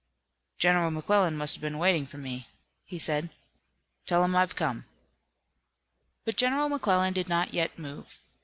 "General McClellan must have been waiting for me," he said. "Tell him I've come." But General McClellan did not yet move.